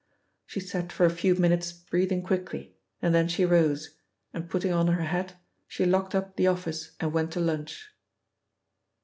She sat for a few minutes breathing quickly, and then she rose, and putting on her hat, she locked up the office, and went to lunch.